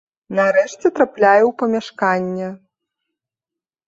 Нарэшце трапляю ў памяшканне.